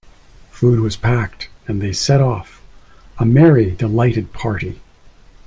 Food was packed, and they set off, a merry, delighted party.